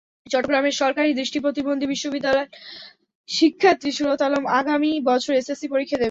চট্টগ্রামের সরকারি দৃষ্টিপ্রতিবন্ধী বিদ্যালয়ের শিক্ষার্থী সুরত আলম আগামী বছর এসএসসি পরীক্ষা দেবে।